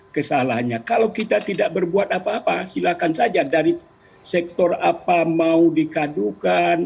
kesalahannya kalau kita tidak berbuat apa apa silakan saja dari sektor apa mau dikadukan